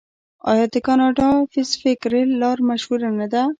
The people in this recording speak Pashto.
آیا د کاناډا پیسفیک ریل لار مشهوره نه ده؟